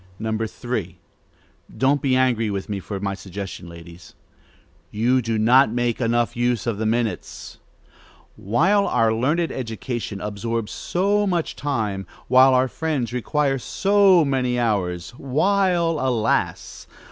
3. Don't be angry with me for my suggestion, ladies: you do not make enough use of the minutes. While our learned education absorbs so much time, while our friends require so many hours, while, alas!